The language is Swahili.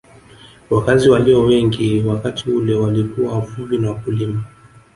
Wakazi walio wengi wakati ule walikuwa wavuvi na wakulima